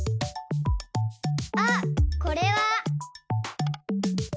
あっこれは。